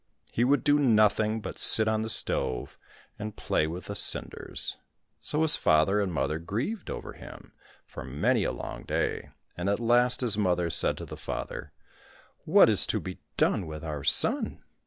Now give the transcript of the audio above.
He would do nothing but sit on the stove and play with the cinders. So his father and mother grieved over him for many a long day, and at last his mother said to his father, " What is to be done with our son